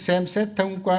xem xét thông qua